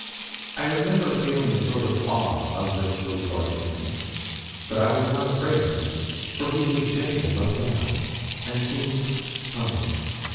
I remember feeling a sort of awe of this little dark man; but I was not afraid of him, for he was gentle, though sad and seemed kind.